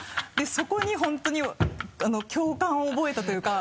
そこに本当に共感を覚えたというか。